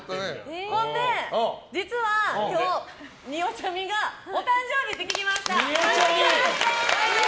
ほんで、実は今日、によちゃみがお誕生日って聞きました！